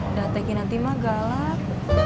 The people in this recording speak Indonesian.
udah tki nanti mah galak